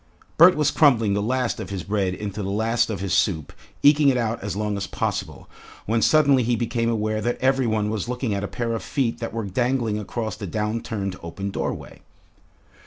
Bert was crumbling the last of his bread into the last of his soup, eking it out as long as possible, when suddenly he became aware that every one was looking at a pair of feet that were dangling across the downturned open doorway.